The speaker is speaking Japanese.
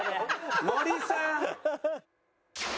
森さん。